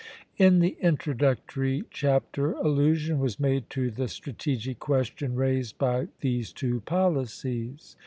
In the introductory chapter allusion was made to the strategic question raised by these two policies.